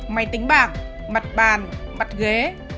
máy tính bảng mặt bàn mặt ghế